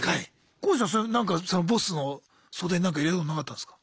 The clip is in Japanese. コウジさんそれそのボスの袖になんか入れたことなかったんすか？